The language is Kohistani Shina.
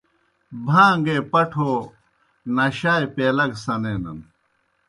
بھان٘گے پٹھو نشائے پیلہ گہ سنینَن۔